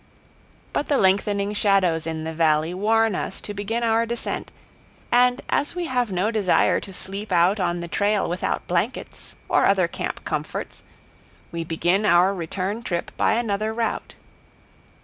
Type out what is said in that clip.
But the lengthening shadows in the valley warn us to begin our descent, and as we have no desire to sleep out on the trail without blankets or other camp comforts, we begin our return trip by another route.